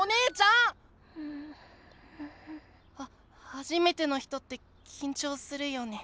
はじめての人ってきんちょうするよね。